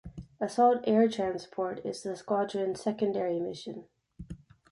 Assault air transport is the squadron's secondary mission.